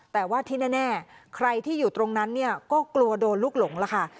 แต่ว่าที่แน่ใครที่อยู่ตรงนั้นเนี่ยก็กลัวโดนลูกหลงล่ะค่ะ